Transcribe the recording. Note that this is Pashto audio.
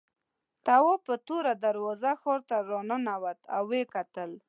تواب په توره دروازه ښار ته ورننوت او وکتل.